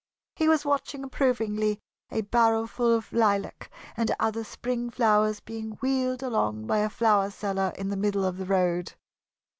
He was watching approvingly a barrowful of lilac and other spring flowers being wheeled along by a flower seller in the middle of the road.